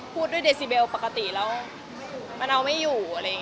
พูดด้วยเดซิเบลปกติแล้วมันเอาไม่อยู่